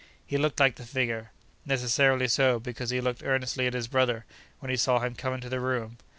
He looked like the figure—necessarily so, because he looked earnestly at his brother when he saw him come into the room.